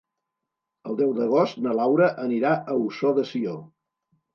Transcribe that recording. El deu d'agost na Laura anirà a Ossó de Sió.